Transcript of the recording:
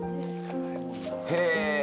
へぇ。